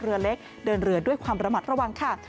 เรือเล็กเดินเรือด้วยความระมัดระวังค่ะ